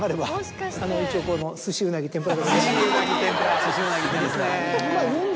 一応この『すし、うなぎ、てんぷら』。